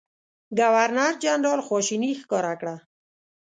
ګورنرجنرال خواشیني ښکاره کړه.